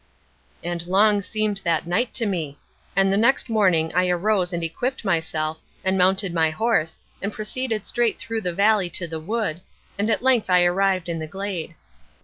"And long seemed that night to me. And the next morning I arose and equipped myself, and mounted my horse, and proceeded straight through the valley to the wood, and at length I arrived at the glade.